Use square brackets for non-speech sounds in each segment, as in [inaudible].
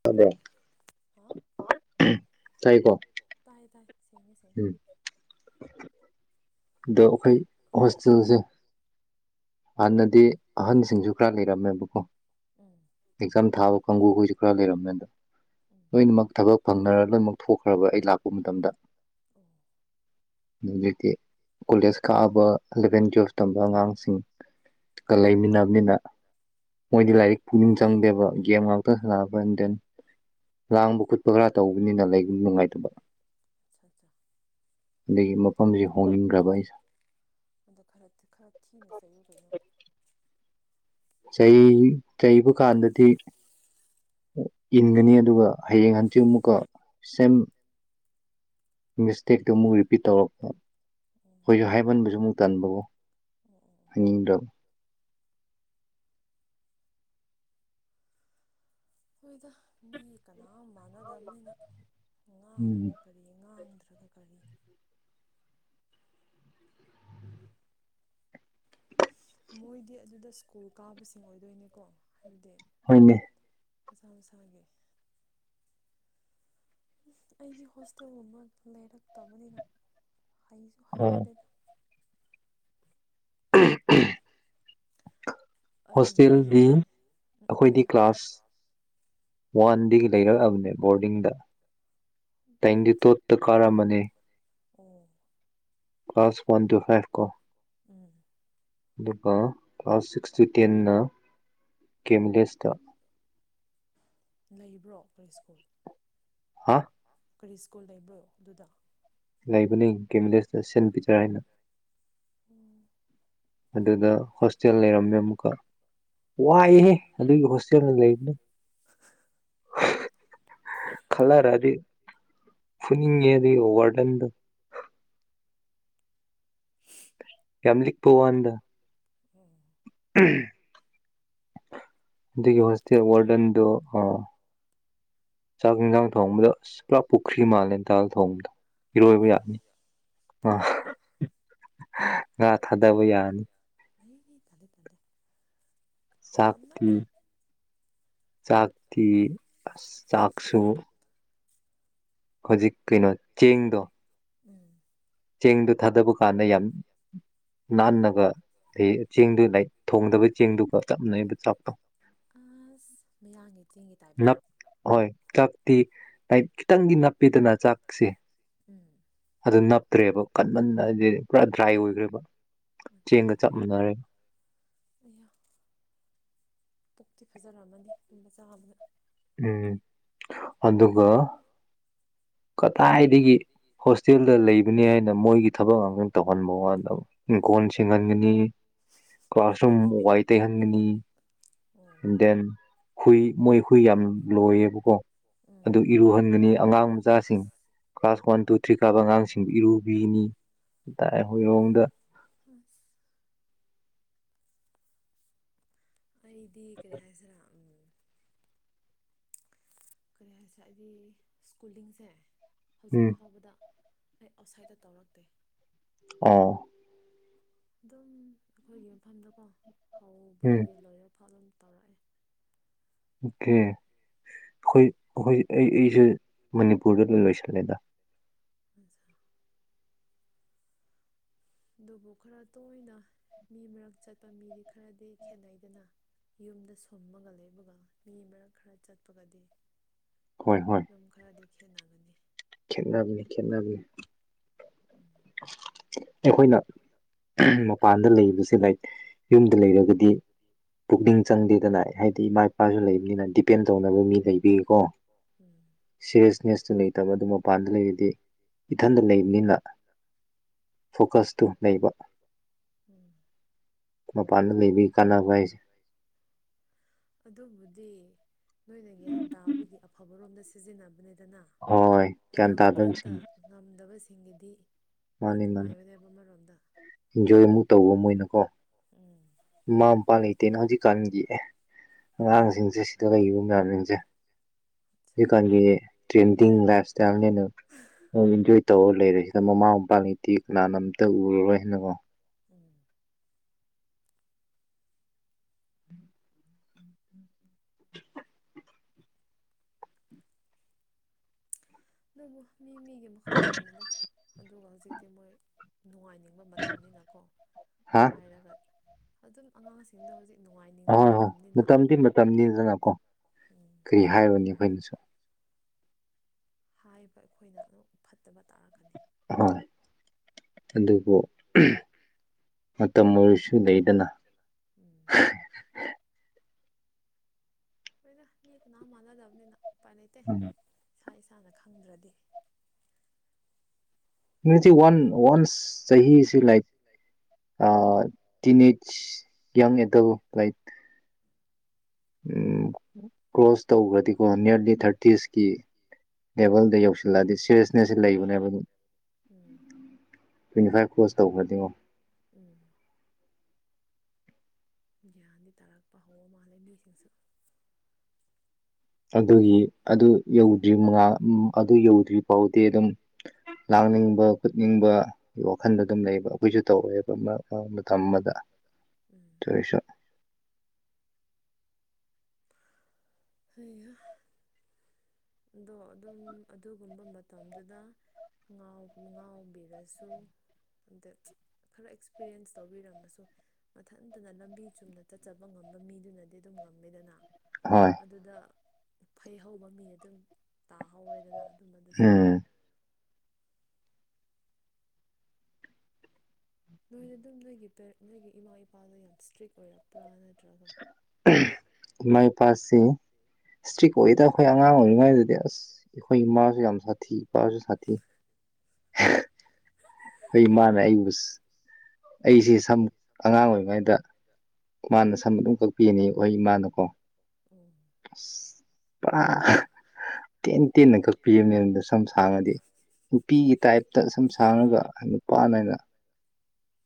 [unintelligible] ꯍꯥ ꯇꯥꯏꯀꯣ ꯇꯥꯏꯌꯦ ꯇꯥꯏꯌꯦ ꯁꯦꯡꯉꯦ ꯁꯦꯡꯉꯦ ꯑꯗꯣ ꯑꯩꯈꯣꯏ ꯍꯣꯁꯇꯦꯜꯁꯦ ꯍꯥꯟꯅꯗꯤ ꯑꯍꯟꯁꯤꯡꯁꯨ ꯈꯔ ꯂꯩꯔꯝꯃꯦꯕꯀꯣ ꯎꯝ ꯑꯦꯛꯖꯥꯝ ꯊꯥꯕ ꯀꯥꯡꯒꯨꯈꯣꯏꯁꯨ ꯈꯔ ꯂꯩꯔꯝꯃꯦ ꯑꯗꯣ ꯂꯣꯏꯅꯃꯛ ꯊꯕꯛ ꯐꯪꯅꯔ ꯂꯣꯏꯅꯃꯛ ꯊꯣꯛꯈ꯭ꯔꯕ ꯑꯩ ꯂꯥꯛꯄ ꯃꯇꯝꯗ ꯗꯣ ꯍꯧꯖꯤꯛꯇꯤ ꯀꯣꯂꯦꯖ ꯀꯥꯕ ꯑꯦꯂꯚꯦꯟ ꯇꯨꯌꯦꯜꯐ ꯇꯝꯕ ꯑꯉꯥꯡꯁꯤꯡ ꯀꯥ ꯂꯩꯃꯤꯟꯅꯕꯅꯤꯅ ꯃꯣꯏꯗꯤ ꯂꯥꯏꯔꯤꯛ ꯄꯨꯛꯅꯤꯡ ꯆꯪꯗꯦꯕ ꯒꯦꯝ ꯉꯥꯛꯇ ꯁꯥꯟꯅꯥꯔꯛꯄꯅꯤꯅꯥ ꯗꯦꯟ ꯂꯥꯡꯕ ꯈꯣꯠꯄ ꯈꯔ ꯇꯧꯕꯅꯤꯅ ꯂꯩꯕ ꯅꯨꯡꯉꯥꯏꯇꯕ ꯑꯆꯥꯆꯥ ꯑꯗꯒꯤ ꯃꯐꯝꯁꯤ ꯍꯣꯡꯅꯤꯡꯈ꯭ꯔꯕ ꯑꯩꯁꯦ ꯑꯗꯣ ꯈꯔ ꯈꯔ ꯊꯤꯅ ꯆꯩꯌꯨ ꯀꯩꯅꯣ ꯆꯩ ꯆꯩꯕ ꯀꯥꯟꯗꯗꯤ ꯏꯟꯒꯅꯤ ꯑꯗꯨꯒ ꯍꯌꯦꯡ ꯍꯟꯆꯤꯠ ꯑꯃꯨꯛꯀ ꯁꯦꯝ ꯃꯤꯁꯇꯦꯛꯇꯃꯨꯛ ꯔꯤꯄꯤꯠ ꯇꯧꯔꯛꯄ ꯑꯩꯈꯣꯏꯁꯨ ꯍꯥꯏꯃꯟꯕꯁꯨ ꯑꯃꯨꯛ ꯇꯟꯕꯒꯣ ꯍꯥꯏꯅꯤꯡꯗ꯭ꯔꯕꯥ ꯍꯣꯏꯗ ꯃꯤ ꯀꯅꯥꯝ ꯃꯥꯟꯅꯗꯕꯅꯤꯅ ꯉꯥꯡꯉꯒꯥ ꯀꯔꯤ ꯉꯥꯡꯗ꯭ꯔꯒ ꯀꯔꯤ ꯃꯣꯏꯗꯤ ꯑꯗꯨꯗ ꯁ꯭ꯀꯨꯜ ꯀꯥꯕꯁꯤꯡ ꯑꯣꯏꯗꯣꯏꯅꯦꯀꯣ ꯍꯥꯏꯕꯗꯤ ꯍꯣꯏꯃꯤ ꯃꯁꯥ ꯃꯁꯥꯒꯤ ꯎ ꯑꯩꯗꯤ ꯍꯣꯁꯇꯦꯜꯒꯨꯝꯕ ꯂꯩꯔꯛꯇꯕꯅꯤꯅ ꯍꯩꯁꯨ ꯍꯩꯅꯗꯦꯗꯥ [unintelligible] ꯍꯣꯁꯇꯦꯜꯗꯤ ꯑꯩꯈꯣꯏꯗꯤ ꯀ꯭ꯂꯥꯁ ꯋꯥꯟꯗꯤ ꯂꯩꯔꯛꯑꯕꯅꯦ ꯕꯣꯔꯗꯤꯡꯗ ꯇꯥꯏꯅꯤ ꯇꯣꯠꯇ ꯀꯥꯔꯝꯕꯅꯦ ꯑꯣ ꯀ꯭ꯂꯥꯁ ꯋꯥꯟ ꯇꯨ ꯐꯥꯏꯚ ꯀꯣ ꯎꯝ ꯑꯗꯨꯒ ꯀ꯭ꯂꯥꯁ ꯁꯤꯛꯁ ꯇꯨ ꯇꯦꯟꯅ ꯒꯦꯝꯂꯦꯁꯇꯥ ꯂꯩꯕ꯭ꯔꯣ ꯀꯩ ꯁ꯭ꯀꯨꯜ ꯀꯔꯤ ꯁ꯭ꯀꯨꯜ ꯂꯩꯕ꯭ꯔꯣ ꯑꯗꯨꯗ ꯂꯩꯕꯅꯤ ꯒꯦꯝ ꯚꯤꯂꯦꯁꯇꯥ ꯁꯦꯟ ꯄꯤꯇꯔ ꯍꯥꯏꯅ ꯎꯝ ꯑꯗꯨꯗ ꯍꯣꯁꯇꯦꯜ ꯂꯩꯔꯝꯃꯦ ꯑꯃꯨꯛꯀ ꯋꯥꯏꯍꯦ ꯑꯗꯨꯒꯤ ꯍꯣꯁꯇꯦꯜ ꯇꯦꯜ ꯂꯩꯕꯗꯣ ꯈꯜꯂꯔꯗꯤ ꯈꯨꯅꯤꯡꯉꯦ ꯗꯨꯒꯤ ꯋꯥꯔꯗꯟꯗꯣ ꯌꯥꯝ ꯂꯤꯛꯄ ꯋꯥꯅꯤꯗꯥ [unintelligible] ꯑꯗꯨꯒꯤ ꯍꯣꯁꯇꯦꯜ ꯋꯥꯔꯗꯟꯗꯨ ꯆꯥꯛ ꯌꯦꯟꯁꯥꯡ ꯊꯣꯡꯕꯗ ꯑ ꯄꯨꯂꯞ ꯄꯨꯈ꯭ꯔꯤ ꯃꯥꯜꯂꯦꯟꯇꯥꯜ ꯊꯣꯡꯕꯗ ꯏꯔꯣꯏꯕ ꯌꯥꯅꯤ ꯑ ꯉꯥ ꯊꯥꯗꯕ ꯌꯥꯅꯤ [unintelligible] ꯇꯗꯦ ꯇꯗꯦ ꯆꯥꯛꯇꯤ ꯆꯥꯛꯇꯤ ꯑ ꯆꯥꯛꯁꯨ ꯍꯧꯖꯤꯛ ꯀꯩꯅꯣ ꯆꯦꯡꯗꯣ ꯎꯝ ꯆꯦꯡꯗꯨ ꯊꯥꯗꯕ ꯀꯥꯟꯗ ꯌꯥꯝ ꯅꯥꯟꯅꯒ ꯆꯦꯡꯗꯨ ꯊꯣꯡꯗꯕ ꯆꯦꯡꯗꯨꯒ ꯆꯞꯅꯔꯤꯕ ꯆꯥꯛꯇꯣ ꯑꯁ ꯃꯌꯥꯒꯤ ꯆꯦꯡꯒꯤ ꯇꯥꯏꯞꯇ ꯍꯣꯏ ꯆꯥꯛꯇꯤ ꯍꯥꯏ ꯈꯤꯇꯪꯗꯤ ꯅꯞꯄꯤꯗꯅ ꯆꯥꯛꯁꯦ ꯎꯝ ꯑꯗꯨ ꯅꯞꯇ꯭ꯔꯦꯕ ꯀꯟꯃꯟꯅ ꯍꯥꯏꯗꯤ ꯄꯨꯔꯥ ꯗ꯭ꯔꯥꯏ ꯑꯣꯏꯈ꯭ꯔꯦꯕ ꯆꯦꯡꯒ ꯆꯞ ꯃꯥꯟꯅꯔꯦ ꯑꯌꯥ ꯄꯣꯛꯛꯇꯤ ꯐꯖꯔꯝꯃꯅꯤ ꯇꯨꯝꯕ ꯆꯥꯕꯅ ꯎꯝ ꯑꯗꯨꯒ ꯀꯗꯥꯏꯗꯒꯤ ꯍꯣꯁꯇꯦꯜꯗ ꯂꯩꯕꯅꯤ ꯍꯥꯏꯅ ꯃꯣꯏꯒꯤ ꯊꯕꯛ ꯉꯇꯪ ꯇꯧꯍꯟꯕ ꯋꯥꯗꯕ ꯪꯒꯣꯣꯟ ꯆꯦꯡꯍꯟꯒꯅꯤ ꯀ꯭ꯂꯥꯁꯔꯨꯝ ꯋꯥꯏ ꯇꯩꯍꯟꯒꯅꯤ꯫ ꯗꯦꯟ ꯍꯨꯏ ꯃꯣꯏ ꯍꯨꯏ ꯌꯥꯝ ꯂꯣꯏꯌꯦꯕꯀꯣ ꯑꯗꯨ ꯏꯔꯨꯍꯟꯒꯅꯤ ꯑꯉꯥꯡ ꯃꯆꯥꯁꯤꯡ꯫ ꯀ꯭ꯂꯥꯁ ꯋꯥꯟ ꯇꯨ ꯊ꯭ꯔꯤ ꯀꯥꯕ ꯑꯉꯥꯡꯁꯤꯡꯕꯨ ꯏꯔꯨꯕꯤꯅꯤ ꯑꯩꯈꯣꯏ ꯍꯑꯣꯣꯡꯗ ꯑꯁ ꯑꯩꯗꯤ ꯀꯔꯤ ꯍꯥꯏꯁꯤꯔꯥ ꯀꯔꯤ ꯍꯥꯏꯁꯦ ꯍꯥꯏꯗꯤ ꯁ꯭ꯀꯨꯜꯂꯤꯡꯁꯦ ꯍꯧꯖꯤꯛ ꯐꯥꯎꯕꯗ ꯑꯩ ꯑꯥꯎꯠꯁꯥꯏꯗꯠꯇ ꯇꯧꯔꯛꯇꯦ꯫ ꯑꯣ꯫ ꯑꯗꯨꯝ ꯑꯩꯈꯣꯏꯒꯤ ꯃꯐꯝꯗꯀꯣ ꯍꯧꯕꯗꯒꯤ ꯂꯣꯏꯔꯐꯥꯎ ꯑꯗꯨꯝ ꯇꯧꯔꯛꯑꯦ꯫ ꯑꯣꯀꯦ ꯑꯩꯈꯣꯏ ꯑꯩꯈꯣꯏ ꯑꯩ ꯑꯩꯁꯦ ꯃꯅꯤꯄꯨꯔꯗ ꯂꯣꯏ ꯂꯣꯏꯁꯤꯜꯂꯦꯗ ꯎꯝꯖ ꯑꯗꯨꯕꯨ ꯈꯔ ꯇꯣꯏꯅ ꯃꯤ ꯃꯔꯛ ꯆꯠꯄ ꯃꯤꯗꯤ ꯈꯔꯗꯤ ꯈꯦꯠꯅꯩꯗꯅ ꯌꯨꯝꯗ ꯁꯨꯝꯃꯒ ꯂꯩꯕꯒ ꯃꯤ ꯃꯔꯛ ꯈꯔ ꯆꯠꯄꯒꯗꯤ꯫ ꯍꯣꯏ ꯍꯣꯏ ꯑꯗꯨꯝ ꯈꯔꯗꯤ ꯈꯦꯠꯅꯒꯅꯤ꯫ ꯈꯦꯠꯅꯕꯅꯤ ꯈꯦꯠꯅꯕꯕꯤꯅꯤ꯫ ꯎꯝ ꯑꯩꯈꯣꯏꯅ ꯃꯄꯥꯟꯗ ꯂꯩꯕꯁꯦ ꯂꯥꯏꯛ ꯌꯨꯝꯗ ꯂꯩꯔꯒꯗꯤ꯫ ꯄꯨꯛꯅꯤꯡ ꯆꯪꯗꯦꯗꯅ ꯍꯥꯏꯗꯤ ꯃꯥꯏ ꯃꯥꯁꯨ ꯂꯩꯕꯅꯤꯅ ꯗꯤꯄꯦꯟ ꯇꯧꯅꯕ ꯃꯤ ꯂꯩꯕꯤꯒꯀꯣ ꯁꯤꯦꯔꯤꯌꯁꯅꯦꯁꯇꯨ ꯂꯩꯇꯕ ꯑꯗꯨ ꯃꯄꯥꯟꯗ ꯂꯩꯕꯗꯤ ꯏꯊꯟꯗ ꯂꯩꯕꯅꯤꯅ ꯎꯝ ꯃꯄꯥꯟꯗ ꯂꯩꯕꯤ ꯀꯥꯟꯅꯕ ꯍꯥꯏꯁꯦ꯫ ꯑꯗꯨꯕꯨꯗꯤ ꯅꯣꯏꯅ ꯒ꯭ꯌꯥꯟ ꯇꯥꯕꯒꯤ ꯑꯐꯕꯔꯣꯝꯗ ꯁꯤꯖꯤꯟꯅꯕꯅꯤꯗꯅ ꯑꯗꯣ ꯃꯊꯟꯇ ꯉꯝꯗꯕꯁꯤꯡꯒꯤꯗꯤ꯫ ꯃꯤ ꯅꯨꯡꯉꯥꯏꯕꯅꯦꯕ ꯑꯃꯔꯣꯝꯗ ꯎꯝ ꯃꯃꯥ ꯃꯄꯥ ꯂꯩꯇꯦꯅ ꯍꯧꯖꯤꯛꯀꯥꯟꯒꯤ ꯑꯉꯥꯡꯁꯤꯡꯁꯦ ꯁꯤꯗ ꯂꯩꯔꯤꯕ ꯃꯤꯡꯁꯦ ꯍꯧꯖꯤꯛꯀꯥꯟꯒꯤ ꯇ꯭ꯔꯦꯟꯗꯤꯡ ꯂꯥꯏꯁ ꯏꯟꯖꯣꯏ ꯇꯧꯔ ꯂꯩꯔꯦꯁꯤꯗ ꯃꯃꯥ ꯃꯄꯥ ꯂꯩꯇꯦ ꯀꯅꯥꯅꯝ ꯍꯦꯇ ꯎꯔꯔꯣꯏ ꯍꯥꯏꯅꯀꯣ ꯎꯝ ꯅꯪꯕꯨ ꯃꯤ ꯃꯤꯒꯤ ꯃꯈꯥ ꯄꯣꯜꯂꯦꯗ ꯑꯗꯨꯒ ꯍꯧꯖꯤꯛꯇꯤ ꯃꯣꯏ ꯅꯨꯡꯉꯥꯏꯅꯤꯡ ꯃꯥꯇꯝ ꯅꯤꯅꯥꯀꯣ ꯍꯥꯏꯔꯒ ꯑꯗꯨꯝ ꯑꯉꯥꯡꯁꯤꯡꯗꯣ ꯍꯧꯖꯤꯛ ꯅꯨꯡꯉꯥꯏꯅꯤꯡꯕ ꯃꯇꯝꯅꯤꯅ ꯎꯝ ꯀꯔꯤ ꯍꯥꯏꯔꯨꯅꯤ ꯑꯩꯈꯣꯏꯅꯁꯨ꯫ ꯍꯥꯏꯕ ꯑꯩꯈꯣꯏꯅ ꯑꯃꯣꯛ ꯐꯠꯇꯕ ꯇꯥꯔꯛꯒꯅꯤ꯫ ꯍꯣꯏ ꯑꯗꯨꯕꯨ ꯃꯇꯝ ꯑꯣꯏꯔꯁꯨ ꯂꯩꯗꯅ ꯎꯝ꯫ ꯍꯣꯏꯗ ꯃꯤ ꯀꯅꯥ ꯃꯥꯟꯅꯗꯕꯅꯤꯅ ꯎꯄꯥꯏ ꯂꯩꯇꯦ ꯏꯁꯥ ꯏꯁꯥꯅ ꯈꯪꯗ꯭ꯔꯗꯤ꯫ ꯅꯣꯏꯁꯤ ꯋꯥꯟ ꯋꯥꯟꯁ ꯆꯍꯤꯁꯤ ꯂꯥꯏꯛ ꯑ ꯇꯤꯟ ꯑꯦꯖ [unintelligible] ꯂꯩ꯫ Cross ꯇꯧꯈ꯭ꯔꯗꯤꯀꯣ nearly ꯊꯥꯔꯇꯤꯁꯀꯤ꯫ ꯂꯦꯕꯜꯗ ꯌꯧꯁꯤꯜꯂꯛꯑꯗꯤ ꯁꯤꯔꯤꯌꯁꯅꯦꯁꯁꯤ ꯂꯩꯕꯅꯦꯕ ꯑꯗꯨꯝ꯫ ꯎꯝ꯫ ꯇ꯭ꯋꯦꯟꯇꯤ ꯐꯥꯏꯚ ꯀ꯭ꯂꯣꯁ ꯇꯧꯈꯔꯗꯤꯉꯣ꯫ ꯎꯝ꯫ ꯒ꯭ꯌꯥꯟꯗꯤ ꯇꯥꯔꯛꯄ ꯍꯧꯕ ꯃꯥꯜꯂꯦ ꯃꯤꯁꯤꯡꯁꯨ꯫ ꯑꯗꯨꯒꯤ ꯑꯗꯨ ꯌꯧꯗ꯭ꯔꯤ ꯃꯉꯥ ꯑꯗꯨ ꯌꯧꯗ꯭ꯔꯤ ꯐꯥꯎꯗꯤ ꯑꯗꯨꯝ꯫ ꯂꯥꯡꯅꯤꯡꯕ ꯀꯠꯅꯤꯡꯕ꯫ ꯋꯥꯈꯟꯗ ꯑꯗꯨꯝ ꯂꯩꯕ ꯑꯩꯈꯣꯏꯁꯨ ꯇꯧꯔꯑꯦꯕ ꯃꯔꯛ ꯃꯔꯛ ꯃꯇꯝ ꯑꯃꯗ꯫ ꯎꯝ꯫ [unintelligible] ꯍꯩꯍꯥ꯫ ꯑꯗꯣ ꯑꯗꯨꯝ ꯑꯗꯨꯒꯨꯝꯕ ꯃꯇꯝꯗꯨꯗ꯫ ꯉꯥꯎ ꯉꯥꯎꯕꯤꯔꯁꯨ꯫ ꯑꯗ ꯈꯔ ꯑꯦꯛꯁꯄꯤꯔꯤꯌꯦꯟꯁ ꯇꯧꯕꯤꯔꯝꯃꯁꯨ꫰꫰ ꯃꯊꯟꯇꯅ ꯂꯝꯕꯤ ꯆꯨꯝꯅ ꯆꯠꯆꯕ ꯉꯝꯕ ꯃꯤꯗꯨꯅꯗꯤ ꯑꯗꯨꯝ ꯉꯝꯃꯦꯗꯅ꯫ ꯍꯣꯏ꯫ ꯑꯗꯨꯗ ꯐꯩ ꯍꯧꯕ ꯃꯤꯅ ꯑꯗꯨꯝ ꯇꯥꯍꯧꯔꯦꯗꯅ ꯑꯗꯨꯝꯕꯗꯨꯁꯨ꯫ ꯅꯣꯏꯅ ꯑꯗꯨꯝ ꯅꯣꯏꯒꯤ ꯄꯦ ꯅꯣꯏꯒꯤ ꯏꯃꯥ ꯏꯄꯥꯗꯣ ꯌꯥꯝ ꯏꯁꯇ꯭ꯔꯤꯛ ꯑꯣꯏꯔꯛꯄ꯭ꯔꯥ ꯅꯠꯇ꯭ꯔꯒ꯫ ꯏꯃꯥꯄꯥꯥꯛꯁꯤ ꯏꯁꯇ꯭ꯔꯤꯛ ꯑꯣꯏꯌꯦꯗ ꯑꯩꯈꯣꯏ ꯑꯉꯥꯡ ꯑꯣꯏꯔꯤꯉꯩꯗꯗꯤ ꯑꯁ꯫ ꯑꯩꯈꯣꯏ ꯏꯃꯥꯁꯨ ꯌꯥꯝ ꯁꯥꯊꯤ ꯏꯄꯥꯁꯨ ꯁꯥꯊꯤ꯫ ꯑꯩ ꯃꯥꯅꯦ ꯑꯨꯁ꯫ ꯑꯩꯁꯦ ꯁꯝ ꯑꯉꯥꯡ ꯑꯣꯏꯔꯤꯉꯩꯗ ꯃꯥꯅ ꯁꯝ ꯑꯗꯨꯝ ꯀꯛꯄꯤꯅꯤ ꯑꯩꯈꯣꯏ ꯏꯃꯥꯅꯀꯣ꯫ ꯑꯣ꯫ ꯑꯁ ꯄꯨꯔꯥ ꯇꯦꯟ ꯇꯦꯟꯅ ꯀꯛꯄꯤꯕꯅꯦꯕ ꯁꯝ ꯁꯥꯡꯉꯗꯤ꯫ ꯅꯨꯄꯤꯒꯤ ꯇꯥꯏꯞꯇ ꯁꯝ ꯁꯥꯡꯉꯒ ꯅꯨꯄꯥꯅꯒ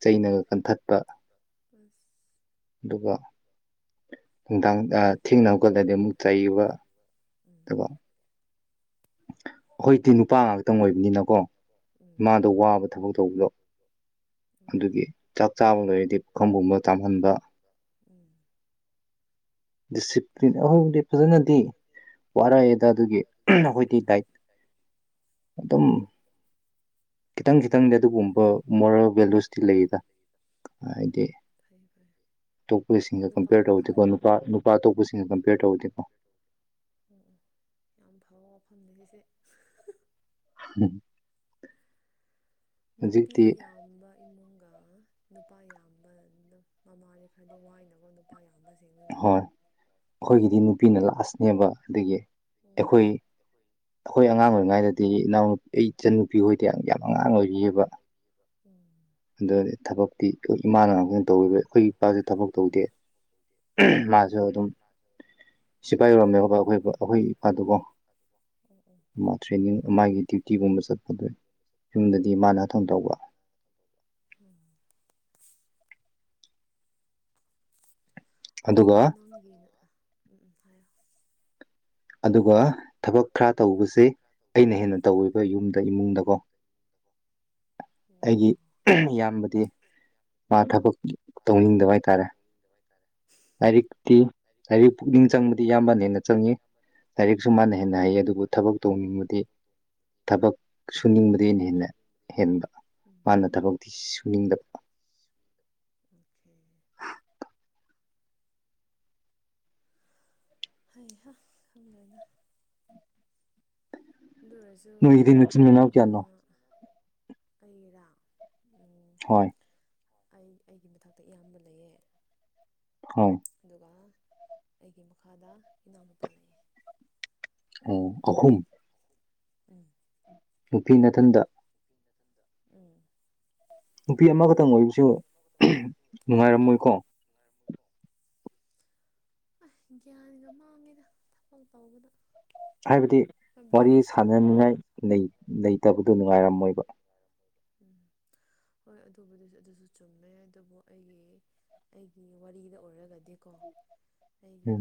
ꯆꯩꯅꯒ ꯀꯟꯊꯠ ꯑꯁ꯫ ꯑꯗꯨꯒ꯫ ꯅꯨꯡꯗꯥꯡ ꯊꯦꯡꯅꯕ ꯍꯧꯒꯠꯂꯗꯤ ꯑꯃꯨꯛ ꯆꯩꯕ꯫ ꯎꯝ꯫ ꯑꯩꯈꯣꯏꯗꯤ ꯅꯨꯄꯥ ꯉꯥꯛꯇꯪ ꯑꯣꯏꯕꯅꯤꯅꯀꯣ ꯏꯃꯥꯗꯣ ꯋꯥꯕ ꯊꯕꯛ ꯇꯧꯕꯗꯣ꯫ ꯑꯗꯨꯒꯤ ꯆꯥꯛ ꯆꯥꯕ ꯂꯣꯏꯔꯗꯤ ꯄꯨꯈꯝꯒꯨꯝꯕ ꯆꯥꯝꯍꯟꯕ꯫ ꯎꯝ ꯗꯤꯁꯤꯄ꯭ꯂꯤꯟ ꯑꯍꯥꯎꯗꯤ ꯐꯖꯅꯗꯤ꯫ ꯋꯥꯔꯛꯑꯦꯗ ꯑꯗꯨꯒꯤ ꯑꯩꯈꯣꯏꯗꯤ ꯗꯥꯏꯠ ꯑꯗꯨꯝ꯫ ꯈꯤꯇꯪ ꯈꯤꯇꯪꯗꯤ ꯑꯗꯨꯒꯨꯝꯕ ꯃꯣꯔꯦꯜ ꯚꯦꯂꯨꯁꯇꯤ ꯂꯩꯌꯦꯗ ꯍꯥꯏꯗꯤ꯫ ꯑꯇꯣꯞꯄꯁꯤꯡꯒ ꯀꯝꯄꯦꯌꯔ ꯇꯧꯕꯗꯤꯀꯣ ꯅꯨꯄꯥ ꯅꯨꯄꯥ ꯑꯇꯣꯞꯄꯁꯤꯡꯒ ꯀꯝꯄꯦꯌꯔ ꯇꯧꯔꯗꯤꯀꯣ꯫ ꯑꯣ ꯑꯣ ꯌꯥꯝ ꯐꯕ ꯋꯥꯐꯝꯅꯤꯍꯤꯁꯤ꯫ [unintelligible] ꯅꯨꯄꯤ ꯌꯥꯝꯕ꯫ ꯏꯃꯨꯡꯒ ꯅꯨꯄꯥ ꯌꯥꯝꯕꯅ ꯃꯃꯥꯗꯤ ꯈꯔꯗꯤ ꯋꯥꯏꯅꯀꯣ ꯅꯨꯄꯥ ꯌꯥꯝꯕꯁꯤꯡꯅꯤꯅ ꯑꯩꯈꯣꯏꯒꯤꯗꯤ ꯅꯨꯄꯤꯅ ꯂꯥꯁꯅꯦꯕ ꯑꯗꯨꯗꯒꯤ ꯑꯩꯈꯣꯏ ꯑꯩꯈꯣꯏ ꯑꯉꯥꯡ ꯑꯣꯏꯔꯤꯉꯩꯗꯗꯤ ꯏꯅꯥꯎꯅꯄꯤ ꯑꯩ ꯏꯆꯟ ꯅꯨꯄꯤ ꯈꯣꯏꯗꯤ ꯌꯥꯝ ꯑꯉꯥꯡ ꯑꯣꯏꯔꯤꯑꯕ ꯎꯝ ꯑꯗꯨꯗꯤ ꯊꯕꯛꯇꯤ ꯏꯃꯥꯅꯕꯅꯕꯈꯣꯏꯅ ꯇꯧꯔꯤꯕ ꯑꯩꯈꯣꯏꯒꯤ ꯏꯄꯥꯁꯦ ꯊꯕꯛ ꯇꯧꯗꯦ ꯃꯥꯁꯨ ꯑꯗꯨꯝ ꯁꯤꯐꯥꯏ ꯌꯔꯝꯗꯕ ꯈꯣꯏ ꯑꯩꯈꯣꯏ ꯏꯄꯥꯗꯨꯕꯨ ꯇ꯭ꯔꯦꯅꯤꯡ ꯃꯥꯒꯤ ꯗ꯭ꯌꯨꯇꯤꯒꯨꯝꯕ ꯆꯠꯄꯗꯣ ꯌꯨꯝꯗꯗꯤ ꯃꯥꯅ ꯍꯊꯪ ꯇꯧꯕ ꯎꯝ ꯑꯗꯣ ꯅꯪꯒꯤꯅ ꯎꯝ ꯎꯝ ꯍꯥꯏꯌꯣ ꯑꯗꯨꯒ ꯊꯕꯛ ꯈꯔ ꯇꯧꯕꯁꯦ ꯑꯩꯅ ꯍꯦꯟꯅ ꯇꯧꯋꯦꯕ ꯌꯨꯝꯗ ꯏꯃꯨꯡꯗꯀꯣ ꯎ ꯑꯩꯒꯤ ꯏꯌꯥꯝꯕꯗꯤ ꯃꯥ ꯊꯕꯛ ꯇꯧꯅꯤꯡꯗꯕ ꯍꯥꯏꯇꯥꯔꯦ ꯂꯥꯏꯔꯤꯛꯇꯤ ꯂꯥꯏꯔꯤꯛ ꯄꯨꯛꯅꯤꯡ ꯆꯪꯕꯗꯤ ꯏꯌꯥꯝꯕꯅ ꯍꯦꯟꯅ ꯆꯪꯏ ꯅꯤ ꯂꯥꯏꯔꯤꯛꯁꯨ ꯃꯥꯅ ꯍꯦꯟꯅ ꯍꯩꯌꯦ ꯑꯗꯨꯕꯨ ꯊꯕꯛ ꯇꯧꯅꯤꯡꯕꯗꯤ ꯊꯕꯛ ꯁꯨꯅꯤꯡꯕꯗꯤ ꯑꯩꯅ ꯍꯦꯟꯅ ꯍꯦꯟꯕ ꯃꯥꯅ ꯊꯕꯛꯇꯤ ꯁꯨꯅꯤꯡꯗꯕ ꯑꯣꯀꯦ ꯍꯥꯏ ꯈꯪꯒꯒ ꯑꯗꯨ ꯑꯣꯏꯔꯁꯨ ꯑꯃ ꯑꯩꯔꯥ ꯑꯩ ꯑꯩꯒꯤ ꯃꯊꯛꯇ ꯏꯌꯥꯝꯕ ꯂꯩꯌꯦ ꯍꯥꯎ ꯑꯗꯨꯒ ꯑꯩꯒꯤ ꯃꯈꯥꯗ ꯏꯅꯥꯎ ꯃꯨꯄꯥ ꯂꯩꯌꯦ ꯑꯣ ꯑꯍꯨꯝ ꯎꯝ ꯅꯨꯄꯤ ꯅꯥꯊꯟꯗ ꯎꯝ ꯅꯨꯄꯤ ꯑꯃꯈꯛꯇꯪ ꯑꯣꯏꯕꯁꯨ ꯅꯨꯡꯉꯥꯏꯔꯝꯃꯣꯏꯀꯣ ꯥꯏ ꯃꯨꯀꯣ ꯑꯁ ꯒ꯭ꯌꯥꯟꯒ ꯃꯥꯡꯉꯦꯗ ꯊꯕꯛ ꯇꯧꯕꯗ ꯍꯥꯏꯕꯗꯤ ꯋꯥꯔꯤ ꯁꯥꯟꯅꯅꯤꯡꯉꯥꯏ ꯂꯩꯇꯕꯗꯨ ꯅꯨꯡꯉꯥꯏꯔꯝꯃꯣꯏꯕ ꯎꯝ ꯍꯣꯏ ꯑꯗꯨꯕꯨꯗꯤ ꯑꯗꯨꯁꯨ ꯆꯨꯝꯅ ꯌꯥꯏ ꯑꯗꯨꯕꯨ ꯑꯩꯒꯤ ꯑꯩꯒꯤ ꯋꯥꯔꯤꯗ ꯑꯣꯏꯔꯒꯗꯤꯀꯣ ꯑꯩꯒꯤ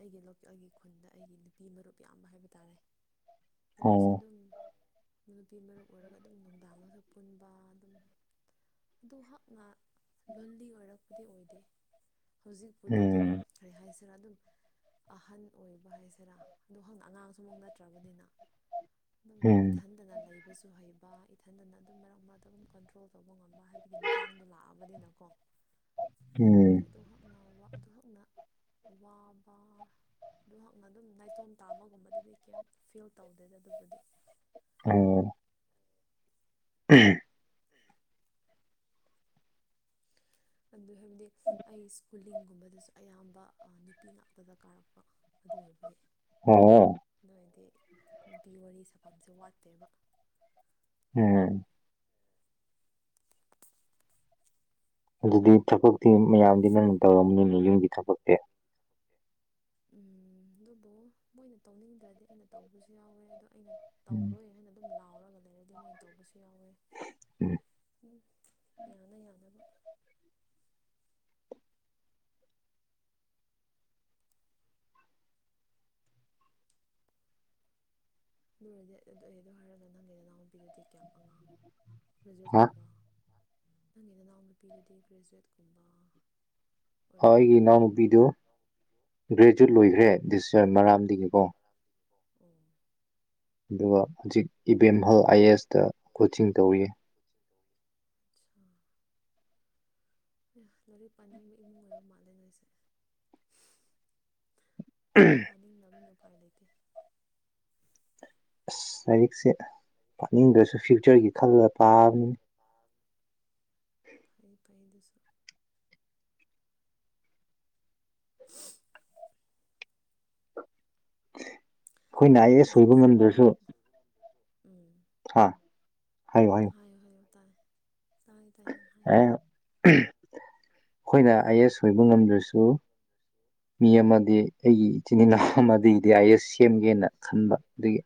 ꯑꯩꯒꯤ ꯂꯣꯀꯦꯜꯒꯤ ꯈꯨꯟꯗ ꯑꯩꯒꯤ ꯅꯨꯄꯤ ꯃꯔꯨꯞ ꯌꯥꯝꯕ ꯍꯥꯏꯕ ꯇꯥꯔꯦ ꯃꯣꯏꯁꯦ ꯑꯗꯨꯝ ꯅꯨꯄꯤ ꯃꯔꯝ ꯑꯣꯏꯔꯒ ꯑꯗꯨꯝ ꯅꯨꯡꯗꯥꯡꯒꯁꯨꯛ ꯄꯨꯟꯕ ꯑꯗꯨꯝ ꯑꯗꯨꯍꯅ ꯂꯣꯜꯂꯤ ꯑꯣꯏꯔꯛꯄꯗꯤ ꯑꯣꯏꯗꯦ ꯍꯧꯖꯤꯛꯄꯨꯗꯤ ꯑꯗꯨꯝ ꯀꯔꯤ ꯍꯥꯏꯁꯤꯔꯥ ꯑꯗꯨꯝ ꯑꯍꯟ ꯑꯣꯏꯕ ꯍꯥꯏꯁꯤꯔꯥ ꯑꯗꯨ ꯍꯧꯪꯅ ꯑꯉꯥꯡꯁꯨ ꯑꯃꯨꯛ ꯅꯠꯇ꯭ꯔꯕꯅꯤꯅ ꯑꯗꯨꯝ ꯏꯊꯟꯗꯅ ꯂꯩꯕꯁꯨ ꯍꯩꯕ ꯏꯊꯟꯗꯅ ꯑꯗꯨꯝ ꯃꯔꯛ ꯃꯔꯛꯇ ꯑꯗꯨꯝ ꯀꯟꯇ꯭ꯔꯣꯜ ꯇꯧꯕ ꯉꯝꯕ ꯍꯥꯏꯕꯒꯤ ꯃꯇꯥꯡꯗꯣ ꯂꯥꯛꯑꯕꯅꯤꯅꯀꯣ ꯑꯗꯨꯕꯨꯗꯤ ꯑꯗꯨꯅ ꯑꯗꯨ ꯍꯛꯅ ꯋꯥꯕ ꯑꯗꯨ ꯍꯛꯅ ꯑꯗꯨꯝ ꯅꯥꯏꯇꯣꯝ ꯇꯥꯕꯒꯨꯝꯕꯗꯗꯤ ꯀꯩꯝ ꯐꯤꯜ ꯇꯧꯗꯦꯗ ꯑꯗꯨꯕꯨꯗꯤ ꯑꯣ ꯎꯝ ꯑꯗꯨ ꯍꯥꯏꯕꯗꯤ ꯑꯩꯁ ꯀ꯭ꯀꯨꯂꯤꯡꯒꯨꯝꯕꯗꯁꯨ ꯑꯌꯥꯝꯕ ꯅꯨꯄꯤ ꯉꯥꯛꯇꯗ ꯀꯥꯔꯛꯄ ꯑꯗꯨ ꯑꯣꯏꯕꯒꯤ ꯑꯣꯝ ꯑꯗꯨꯏꯗꯤ ꯅꯨꯄꯤ ꯋꯥꯔꯤ ꯁꯥꯐꯝꯁꯦ ꯋꯥꯠꯇꯦꯕ ꯎꯝ ꯑꯗꯨꯗꯤ ꯊꯕꯛꯇꯤ ꯃꯌꯥꯝꯗꯤ ꯅꯪ ꯇꯧꯔꯝꯅꯤꯅꯦ ꯌꯨꯝꯒꯤ ꯊꯕꯛꯇꯤ ꯎꯝ ꯑꯗꯨꯕꯨ ꯃꯣꯏꯅ ꯇꯧꯅꯤꯡꯗ꯭ꯔꯗꯤ ꯑꯩꯅ ꯇꯧꯕꯁꯨ ꯌꯥꯎꯋꯦ ꯑꯗꯣ ꯑꯩꯅ ꯇꯧꯔꯣꯏ ꯍꯥꯏꯅ ꯑꯗꯨꯝ ꯂꯥꯎꯔꯒ ꯂꯩꯔꯗꯤ ꯃꯣꯏꯅ ꯇꯧꯕꯁꯨ ꯌꯥꯎꯋꯦ ꯎꯝ ꯌꯥꯅ ꯌꯥꯅꯕ ꯑꯗꯨꯔꯗꯤ ꯑꯗꯨ ꯑꯩꯗ ꯍꯥꯏꯔꯒ ꯅꯪꯒꯤ ꯅꯅꯥꯎꯨꯄꯤꯗꯨꯗꯤ ꯀꯌꯥꯝ ꯑꯉꯥꯡ ꯒ꯭ꯔꯦꯖꯨꯋꯦꯠꯀꯨꯝꯕ ꯅꯪꯒꯤ ꯅꯅꯥꯎ ꯅꯨꯄꯤꯗꯗꯤ ꯒ꯭ꯔꯦꯖꯨꯋꯦꯠꯀꯨꯝꯕ ꯑꯩꯒꯤ ꯏꯅꯥꯎꯅꯨꯄꯤꯗꯨ ꯒ꯭ꯔꯦꯖꯨꯋꯦꯠ ꯂꯣꯏꯈ꯭ꯔꯦ ꯗꯤꯁ ꯃꯔꯥꯝꯗꯒꯤꯀꯣ ꯎꯝ ꯑꯗꯨꯒ ꯍꯧꯖꯤꯛ ꯏꯕꯦꯝꯍꯜ ꯑꯥꯏ ꯑꯦꯁꯇ ꯀꯣꯆꯤꯡ ꯇꯧꯔꯤ ꯑ ꯂꯣꯏꯔꯤ ꯄꯥꯅꯤꯡꯕ ꯏꯃꯨꯡ ꯑꯣꯏꯕ ꯃꯥꯜꯂꯦ ꯅꯣꯏꯁꯦ ꯑꯩꯈꯣꯏꯗꯤ ꯄꯥꯅꯤꯡꯗꯅꯕꯒꯤ ꯎꯄꯥꯏ ꯂꯩꯇꯦ ꯑꯁ ꯂꯥꯏꯔꯤꯛꯁꯦ ꯄꯥꯅꯤꯡꯗ꯭ꯔꯁꯨ ꯐ꯭ꯌꯨꯆꯔꯒꯤ ꯈꯜꯂ ꯄꯥꯕꯅꯤꯅ ꯑꯥ ꯐꯩ ꯐꯩꯗꯨꯁꯨ ꯑꯩꯈꯣꯏꯅ ꯑ ꯑꯦꯁ ꯁꯣꯏꯕ ꯉꯝꯗ꯭ꯔꯁꯨ ꯎꯝ ꯍꯥ ꯍꯥꯏꯋꯨ ꯍꯥꯏꯌꯣ ꯍꯥꯏꯌꯨ ꯇꯥꯏ ꯇꯥꯏ ꯇꯥꯏ ꯅꯪ ꯍꯥꯏꯌꯨ ꯎꯝ ꯑꯩꯈꯣꯏꯅ ꯑꯥꯏ ꯑꯦꯁ ꯑꯣꯏꯕ ꯉꯝꯗ꯭ꯔꯁꯨ ꯃꯤ ꯑꯃꯗꯤ ꯑꯩꯒꯤ ꯏꯆꯤꯟ ꯏꯅꯥꯎ ꯑꯃꯗꯤꯗꯤ ꯑꯥꯏ ꯑꯦꯁ ꯁꯦꯝꯒꯦꯅ ꯈꯟꯕ ꯑꯗꯨꯒꯤ